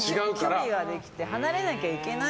距離ができて離れなきゃいけない。